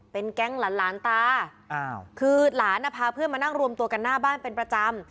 เป็นแก๊งหลานตาคือหลานพาเพื่อนมานั่งรวมตัวกันหน้าบ้านเป็นประจำ